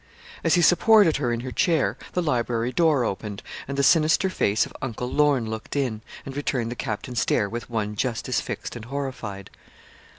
As he supported her in her chair, the library door opened, and the sinister face of Uncle Lorne looked in, and returned the captain's stare with one just as fixed and horrified.